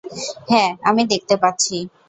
হ্যাঁ, আমি দেখতে পাচ্ছি।